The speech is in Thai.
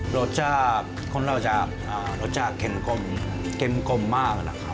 รสชาติคนเราจะรสชาติเข็มกลมกลมมากนะครับ